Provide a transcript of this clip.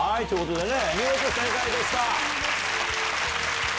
見事正解でした！